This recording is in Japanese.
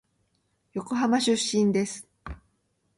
横浜出身です。